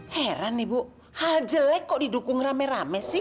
heran ibu hal jelek kok didukung rame rame sih